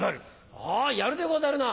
あぁやるでござるな。